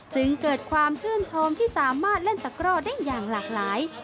จึงเกิดความชื่นชมที่สามารถเล่นตะกร่อได้อย่างหลากหลาย